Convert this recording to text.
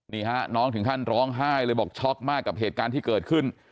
นี่ฮะน้องถึงขั้นร้องไห้เลยบอกช็อกมากกับเหตุการณ์ที่เกิดขึ้น